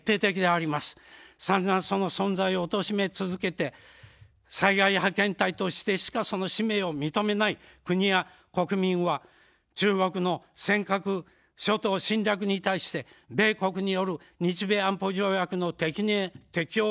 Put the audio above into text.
さんざんその存在をおとしめ続けて災害派遣隊としてしかその使命を認めない国や国民は中国の尖閣諸島侵略に対して、米国による日米安保条約の適用